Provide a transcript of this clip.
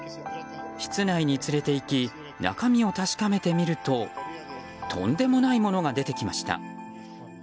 室内に連れていき中身を確かめてみるととんでもないものが出てきました。